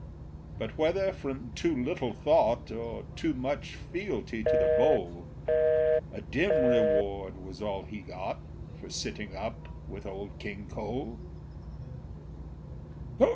But whether from too little thought, Or too much fealty to the bowl, A dim reward was all he got For sitting up with Old King Cole.